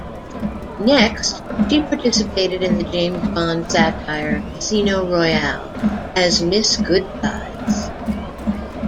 Next, she participated in the James Bond satire, "Casino Royale", as Miss Goodthighs.